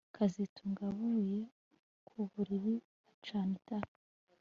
kazitunga yavuye ku buriri acana itara